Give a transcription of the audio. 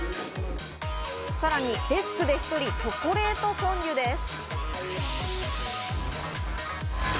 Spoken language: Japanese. さらにデスクでひとりチョコレートフォンデュです。